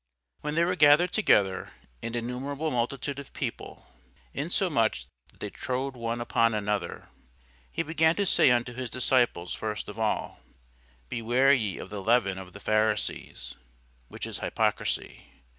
When there were gathered together an innumerable multitude of people, insomuch that they trode one upon another, he began to say unto his disciples first of all, Beware ye of the leaven of the Pharisees, which is hypocrisy.